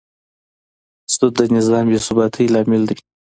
سود د نظام بېثباتي لامل دی.